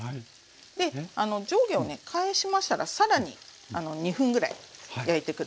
で上下を返しましたら更に２分ぐらい焼いて下さい。